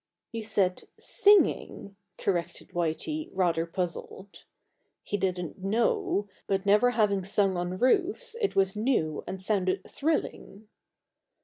"You said singing," corrected Whitey, rather puzzled. He didn't "know," but never having sung on roofs it was new and sounded thrilling.